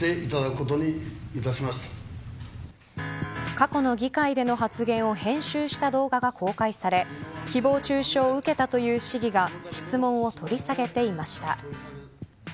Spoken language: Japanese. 過去の議会での発言を編集した動画が公開され、誹謗中傷を受けたという市議が質問を取り下げていました。